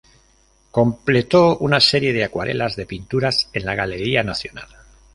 Completó una serie de acuarelas de pinturas en la Galería Nacional.